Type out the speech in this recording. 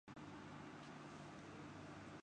Doctor صاحب کی ایک منفرد شخصیت تھی۔